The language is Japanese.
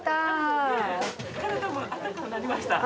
体も温かくなりました。